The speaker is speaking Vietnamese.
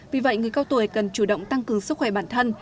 vì vậy người cao tuổi cần chủ động tăng cường sức khỏe bản thân